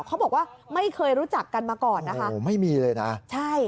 เขาบอกว่าไม่เคยรู้จักกันมาก่อนนะคะโอ้โหไม่มีเลยนะใช่